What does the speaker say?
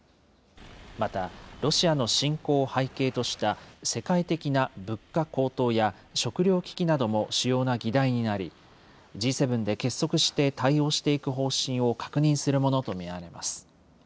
また、ロシアの侵攻を背景とした、世界的な物価高騰や食料危機なども主要な議題になり、Ｇ７で結束して対応していく方針を確認するものと見られます。